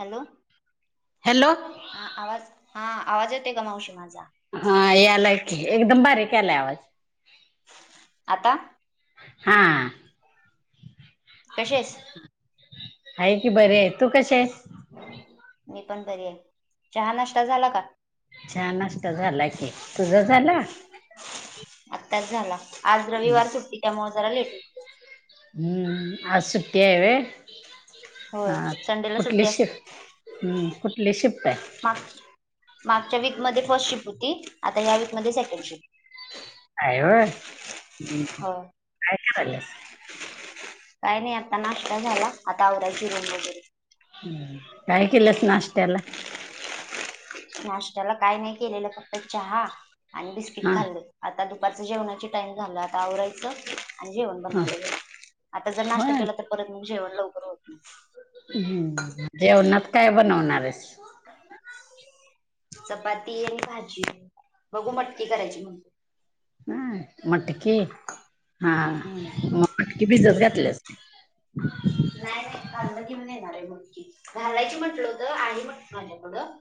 Hello hello आं आवाज हा आवाज येते का मावशी माझा? हा यायला की एकदम बारीक यालाय आवाज. आता हां. कसेस आहे की बरे आहे तू कशी आहेस? मी पण बरी आहे चहा नाष्टा झाला का? चह नाष्टा झाला की तुझा झाला? आत्ताच झाला, आज रविवार सुट्टी त्यामुळं जरा लेट होतं. हम्म आज सुट्टी हाय व्हय? होय हा संडेला कुठली सुट्टी असते शिफ्, हम्म कुठली शिफ्ट हाय? माग मागच्या वीकमध्ये फर्स्ट शिफ्ट होती आता ह्या वीकमध्ये सेकंड शिफ्ट. हाय ओ, हं हो काय करायल्यास? काही नाही आता नाष्टा झाला, आता आवरायची रूम वगैरे. हम्म काय केलंस नाश्त्याला? नाश्त्याला काय नाही केलेलं फक्त चहा आणि बिस्किट हा खाल्लं. आता दुपारचं जेवणाची टाइम झालं, आता आवरायचं. आणि जेवण हा बनवायला घ्यायच आता जर होय नाश्ता केला तर परत मंग जेवण लवकर होत नाही. हम्म जेवणात काय बनवणार आहेस? चपाती आणि भाजी आहे बघू मटकी करायची म्हणते. नाय मटकी हा हम्म. म मटकी भिजत घातल्यास. नाही नाही खाल्लं की मंग येणार आहे मोडकी घालायची म्हटलं होतं आई म्हटलो होतो आली मग माझ्याकडं.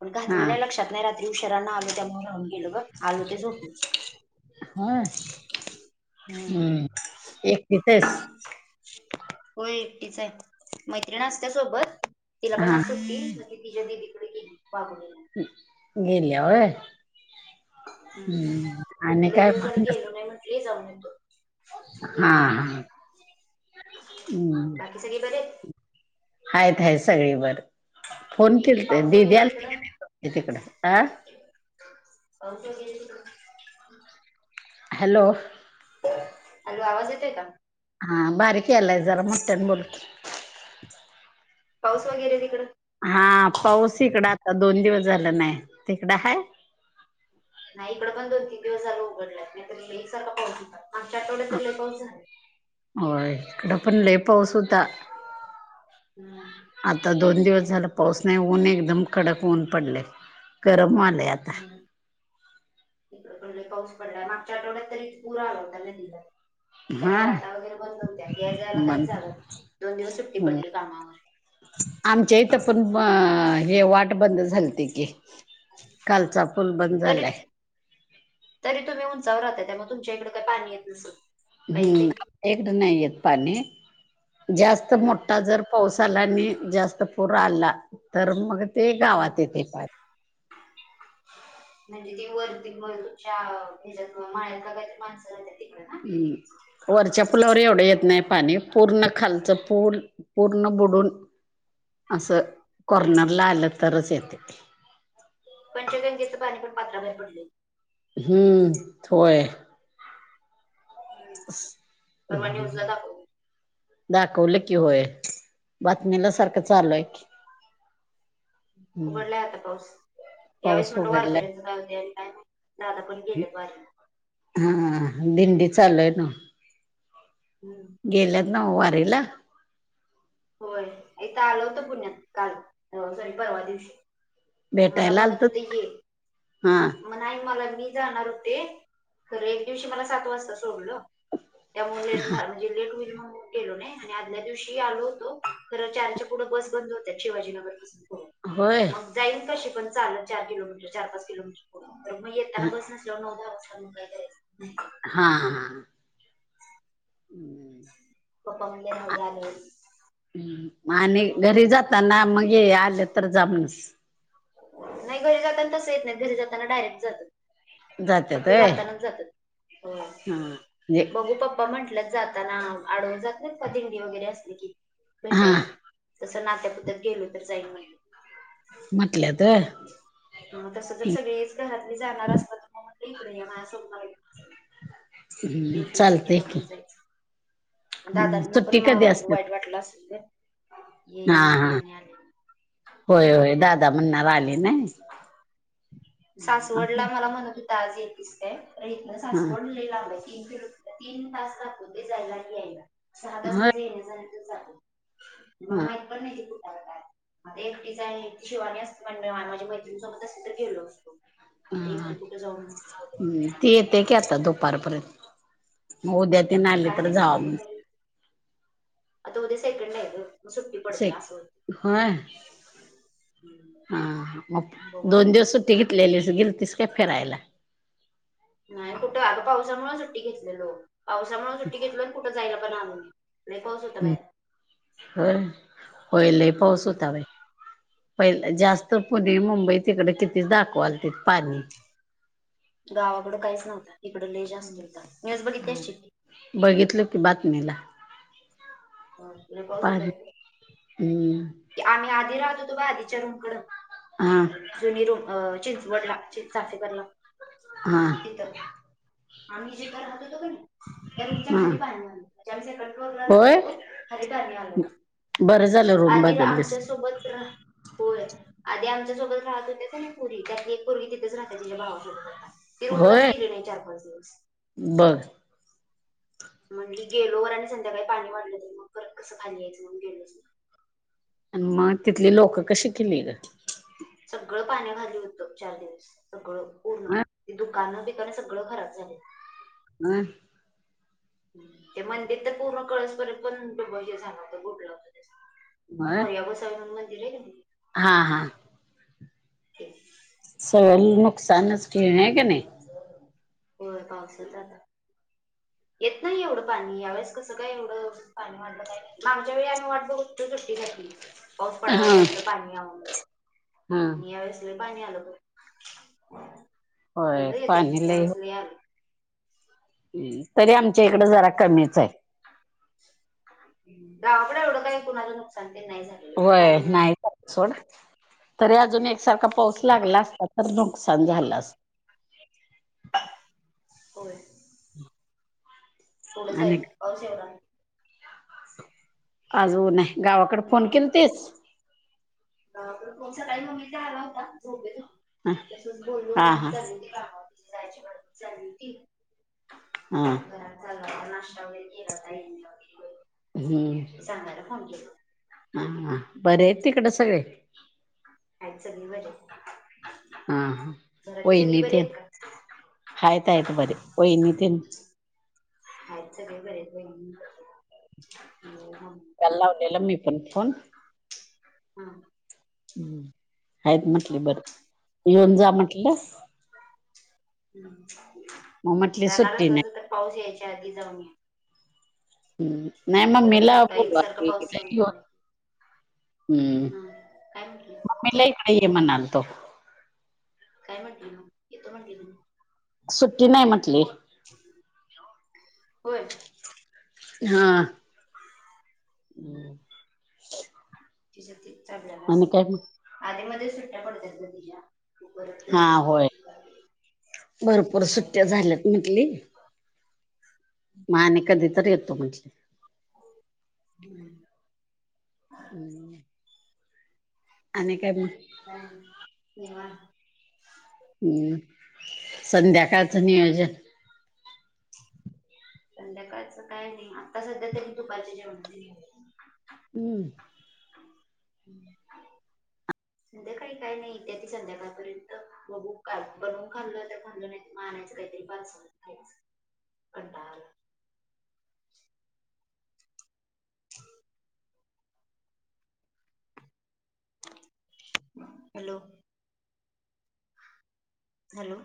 पण हा घातली नाही लक्षात नाही रात्री उशराांना आलो त्यामुळे राहून गेलो ब आलो ते झोपलं. होय हम्म एकटीच हायस? होय एकटीचं हाय, मैत्रीण असत्या सोबत. तिला पण हा आज सुट्टी [inaudible] ती तिच्या दीदी कडे गेली. [unintelligible] हम्म... गेल्या होय. हम्म, खूप आणि लय काय दिवस झालं मग गेलो नाही म्हंटली जाऊन येतो. हा गेली हम्म. बाकी सगळे बरे आहेत आहेत आहे सगळी बरं फोन केलते पाऊस दीदी वगैरे आलती तिकडं का [inaudible] तिकडं आ. [unintelligible] [unintelligible] हॅलो, हॅलो, आवाज येतोय का. हा बारीक यालाय, जरा मोठ्यान बोल की. पाऊस वगैरे तिकडं? हा.. पाऊस इकडं आता, दोन दिवस झाल नाही तिकडं हाय. नाही इकड पण दोन तीन दिवस झालं उघडलाय, नाहीतरी एकसारखं पाऊस हुता. आ होय, इकडं पण लय पाऊस होता. हम्म. आता दोन दिवस झालं पाऊस नाही, ऊन एकदम कडक ऊन पडलंय. गरम व्हालय आत हम्म इकडं पण लय पाऊस पडलाय, मागच्या आठवड्यात तरी पूर आला होता नदीला. सगळ्या हा वाटा वगैरे बंद होत्या, याय जायला काहीच मन चालत नव्हती दोन दिवस सुट्टी पडली कामावर. आमच्या इथं, पण हे वाट बंद झालती की. कालचा पूल बंद तरी झालाय. तरी तुम्ही उंचावर राहताय, त्यामुळें तुमच्या इकडे काही पाणी येतं नसलं. हम्म आपल्या हिकडं नाही येत पाणी, जास्त हम्म. मोठा जर पाऊस आला आणि जास्त पूर आला, तर मग ते हं. गावात येतंय पाणी. [unintelligible] म्हणजे ती वरती मागच्या ह्याच्यात माळ्यात का काय माणसं राहतात तिकड ना? हम्. वरच्या पुलावर एवढं येत नाही, पाणी पूर्ण खालचं पूल. पूर्ण बुडून असं हं. कॉर्नरला आलं तरच येतंय. पंचगंगेचं पाणी पण पात्राबाहेर पडलंय. हम्म, थोय. परवा न्यूजला दाखवलं. दाखवलं की होय. बातमीला सारखं चालू हाय की. हम्म उघडलाय आता पाऊस. यावेळेस पाऊस म्हटलं उघडलाय वारकऱ्यांचं काय होतंय आणि काय माहित. दादा पण गेलेत वारीला. हां दिंडी चालू हाय नव्हं. हम्म. गेल्यात नवं वारीला. होय इथ आलं हुतो पुण्यात काल सॉरी परवा दिवशी. मग मला भेटायला म्हणत आलत होते ये. हा मग नाही मला मी जाणार होते, खरं एक दिवशी मला सात वाजता सोडलं. त्यामुळे लेट झा म्हणजे लेट होईल, म्हणून गेलो नाही आणि आदल्या दिवशी आलो. तो तर चारच्या पुढे बस बंद होते, शिवाजीनगर पासून हो होय मगं. जाईन कशीपण चालत चार किलोमीटर चार पाच किलोमीटर. हो तर मग येताना बस नसल्यावर मग दारात थांबून काय करायचं. हां. पप्पा म्हणले राहू दे आल्यावर हं म आणि घरी जाताना मग हे आले तर जा म्हणस. नाही गं हे जाताना तसं येत नाहीत, घरी जाताना डायरेक्ट जातात. जात्यात फक्त होय जातानाच हा जात्यात, होय म्हणजे बघू पप्पा म्हंटल्यात जाताना आडवं जात्यात का दिंडी वगैरे असली की हा भेटायला तसं कुठं नात्यापुत्यात गेलो तर जाईल म्हणे. म्हंटल्या तर. म तसं जर सगळेच घरातले जाणार असतात तर मग म्हटलं इकडे या माझ्या सोबत. हम्म चालतय की. जायचं. दादांना पण सुट्टी म कधी असते वाईट वाटलं असेल ते. हा हा होय होय दादा म्हणणार आली न्हाय. सासवडला मला म्हणत होते, आज येेतीस काय हितन हा सासवड लै लांब ये. तीन किलोमीटर तीन तास जात होते जायला आणि यायला, सहा तास होय माझं येण्या जाण्यात ते जातं मा हा माहित पण [unintelligible] काय काय आता एकटीच आहे ती शिवानी असते माझ्या मैत्रिणी सोबत असते तर गेलो. आता एकटी कुठे जाऊ म. हम्म ती येते की आता दुपारपर्यंत म उद्या ते नाही आली काय तर माहिती जावा म्हण. दुपारी आता उद्या सेकंड आहे गं म सुट्टी से पडते असं होय होते. हा मग दोन आता दिवस सुट्टी घेतलेली गेलतीस काय फिरायला? नाही कुठं आता पावसामुळं सुट्टी घेतलेलो. पावसामुळे सुट्टी घेतलो आणि कुठं जायला पण आल नाही. लय पाऊस होता हम्म. बाहेर. होय होय लय पाऊस होता बाय. हम्म पहिलं जास्त पुणे, मुंबई तिकडं किती दाखवाल ते पाणी. गावाकडे काहीच नव्हंता इकडं लय जास्त होता न्यूस बघितली अशील. बघितलं की बातमीला. लय पाणी हम्म. की आम्ही आधी राहतं होतो आधी च्या रूमकडं हा. जुनी रूम अ चिंचवडला चाचेकरला. हा तिथं आम्ही जिथं राहत होतो का नाय त्या रूमच्या हा खाली पाणी आलं. म्हणजे आम्ही सेकंड फ्लोअरला राहत होय होतो, खाली पाणी बरं आलेलं. झालं रूम [unintelligible] बदललीस. आमच्या सोब सोबतराह होय, आधी आमच्यासोबत राहत होत्या कनई पोरी, त्यातली एक पोरगी तिथच राहत्या तिच्या भावा सोबत आता. ते रुमलाच होय गेले नाही चार पाच दिवस. बर. म्हणली गेलो आणि संध्याकाळी पाणी वाढलं ते मग परत कसं काय यायचं म्हणून गेलोच. आणि म तिथले लोकं कशी गेले गं. सगळं पाण्याखाली होतं चार दिवस, सगळं पूर्ण. अ ते दु कानं बिकाणं सगळं खराब झालं. मग? ते मंदिर तर पूर्ण कळसपर्यंत पण हे झालं होतं घोटलं होतं ते सगळं. होय मोर्या गोसावी मंदिर आहे की नाही हा हा. तेच [unintelligible] नुकसानच कि आहे की नाही. हो पावसचा आता येत नाही एवढं पाणी यावेेळेस कसं काय एवढं मागच्या वेळेस आम्ही वाट बघत होतो सुट्टीसाठी. पाऊस पडावा हा जास्त पाणी यावं हा आणि यावेळेस लय पाणी आलं गं. हो होय लय येतंय, पाणी या वेळेस नाहीं आलं. हम्म तरी आमच्या इकडं जरा कमीच आहे. गावाकडे एवढं काही कुणाला नुकसान तेन नाही झालं. होय. नाही करत सोड, तरी अजून एकसारखा पाऊस लागला असता, तर नुकसान झालं असतं. होय. [inaudible] थोडंस आहे पाऊस यावरा आजून नाही, गावाकडं फोन केलतीस? हा पण फोन सकाळी ममीचा आला होता, झोपेत हुती, हा तसंच बोललो मम्मी हा चालली हुती कामावरती जायाची गडबड चालली होती हा [unintelligible] हं नाष्टा वगैरे केला काय [unintelligible] हम्म हा हा बरे आहेत तिकडं सगळे. हाईत सगळी बरे हाईत. हा हा. वाहिनी तेन आहेत का? हायत हायत बरे. वाहिनी तेन हायत सगळे बरे बाई. [unintelligible] काल लावलेला मी पण फोन. हां. हाईत म्हंटली बरं, येऊन जा म्हटलं हम्म मग म्हटली जाणार सुट्टी असला नाही तर पाऊस यायच्या आधी जाऊन या. नाही परत मम्मीला मोठा एकसारखा बोलवालती पाऊस चालू [unintelligible] झालाय. हम्म, काय म्हटली मम्मीलाही राहायला ये म्हणालतो. काय म्हणली मग, येतो म्हणली मगं. सुट्टी नाही म्हंटली, होय हां. अं. तिच्या ते चालल्यालं असं. मग आधीमध्ये सुट्ट्या पडतात गं तिज्या. हा होय [unintelligible] म्हंटली? मा आणि कधी तर येतो म्हंटली. [unintelligible] अं. आणि काय मग? काय नाय निवांत. हम्म. संध्याकाळच नियोजन. संध्याकाळचं काय नाही, आता सध्या तरी दुपारच्या जेवणाची [unintelligible] हम्म. हम्म. लय काय काय नाही येत्याती संध्याकाळपर्यंत, काल बनवून खाल्ल आता खाल्लं नाही. मग आणायचं काहीतरी पार्सल आणि खायचं कंटाळा आला. [unintelligible] ह हॅलो. हॅलो.